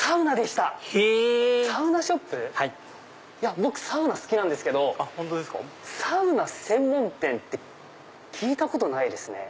僕サウナ好きなんですけどサウナ専門店って聞いたことないですね。